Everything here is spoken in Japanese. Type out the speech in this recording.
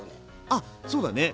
あそうだね。